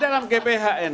saya tambahkan sedikit